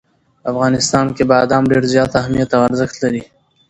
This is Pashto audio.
په افغانستان کې بادام ډېر زیات اهمیت او ارزښت لري.